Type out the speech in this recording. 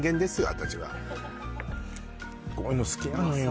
私はこういうの好きなのよ